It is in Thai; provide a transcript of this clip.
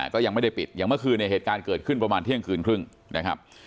ก็ยังไม่ได้ปิดอย่างเมื่อคืนเนี่ยเหตุการณ์เกิดขึ้นประมาณเที่ยงคืนครึ่งนะครับ